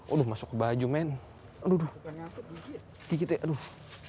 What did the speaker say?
udah masuk baju men aduh aduh aduh